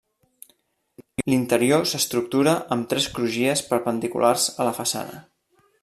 L'interior s'estructura amb tres crugies perpendiculars a la façana.